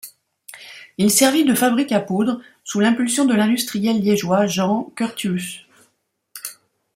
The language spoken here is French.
Il servit de fabrique à poudre sous l'impulsion de l'industriel liégeois Jean Curtius.